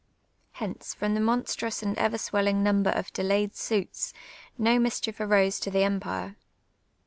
Hence, from the monstrous and ever swelling number of delayed suits, no mischief arose to the emjiire.